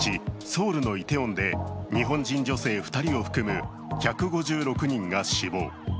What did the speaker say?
ソウルのイテウォンで日本人女性２人を含む１５６人が死亡。